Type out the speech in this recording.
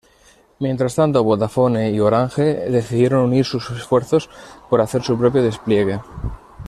Mientras tanto, Vodafone y Orange decidieron unir sus esfuerzos por hacer su propio despliegue.